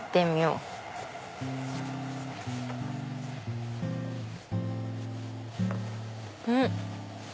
うん？